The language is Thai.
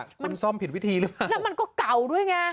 มันซ่อมผิดวิธีหรือเปล่าแล้วมันก็เก่าด้วยไง